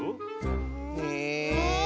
へえ。